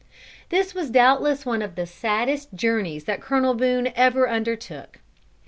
This was doubtless one of the saddest journeys that Colonel Boone ever undertook.